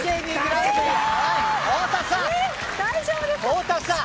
太田さん。